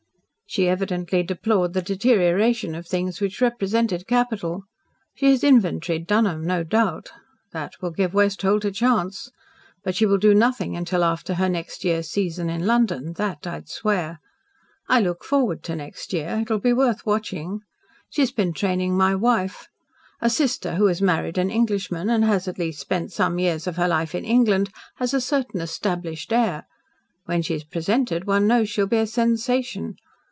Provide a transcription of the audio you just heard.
She evidently deplored the deterioration of things which represented capital. She has inventoried Dunholm, no doubt. That will give Westholt a chance. But she will do nothing until after her next year's season in London that I'd swear. I look forward to next year. It will be worth watching. She has been training my wife. A sister who has married an Englishman and has at least spent some years of her life in England has a certain established air. When she is presented one knows she will be a sensation.